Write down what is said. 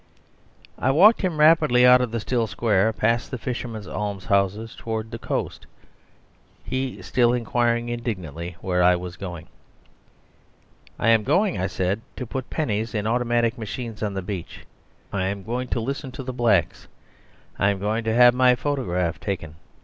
I walked him rapidly out of the still square, past the fishermen's almshouses, towards the coast, he still inquiring indignantly where I was going. "I am going," I said, "to put pennies in automatic machines on the beach. I am going to listen to the niggers. I am going to have my photograph taken.